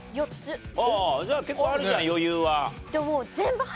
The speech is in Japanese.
じゃあ結構あるじゃん余裕は。